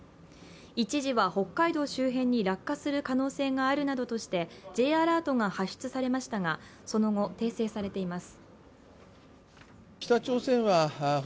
一時は北海道周辺に落下する可能性があるなどとしてＪアラートが発出されましたがその後、訂正されています。